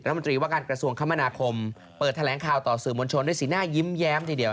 มนตรีว่าการกระทรวงคมนาคมเปิดแถลงข่าวต่อสื่อมวลชนด้วยสีหน้ายิ้มแย้มทีเดียว